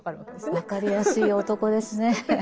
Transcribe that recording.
分かりやすい男ですね。